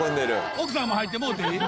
奥さんも入ってもろていい？